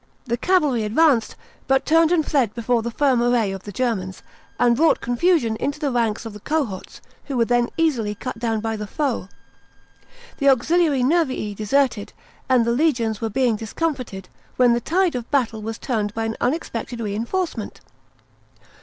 The cavalry advanc d, but turned and fled before the firm an ay of the Germans, and brought confusion into the ranks of the cohorts, who were then easily cut down by the foe. The auxiliary Nervii deserted, and the legions were being discomfited, when the tide of battle was turned by an unexpected reinforcement.